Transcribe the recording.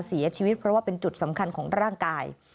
เสียชีวิตเพราะว่าเป็นจุดสำคัญของร่างกาย